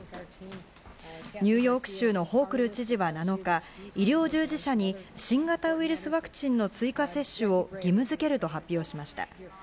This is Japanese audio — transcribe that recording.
ニューヨーク州のホークル知事は７日、医療従事者に新型ウイルスワクチンの追加接種を義務づけると発表しました。